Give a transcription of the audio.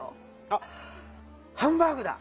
あっハンバーグだ！